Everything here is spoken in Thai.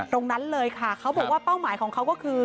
ตรงนั้นเลยค่ะเขาบอกว่าเป้าหมายของเขาก็คือ